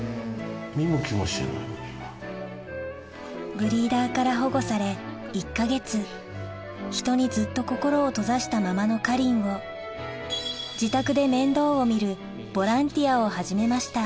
ブリーダーから保護され１か月人にずっと心を閉ざしたままのかりんを自宅で面倒を見るボランティアを始めました